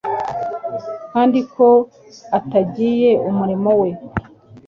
kandi ko atangiye umurimo we.